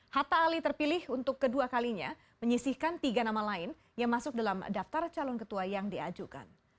hatta ali terpilih untuk kedua kalinya menyisihkan tiga nama lain yang masuk dalam daftar calon ketua yang diajukan